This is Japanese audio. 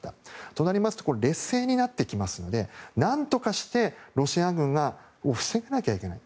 となりますと劣勢になってきますので何とかしてロシア軍を防がなければいけない。